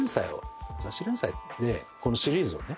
雑誌連載でこのシリーズをね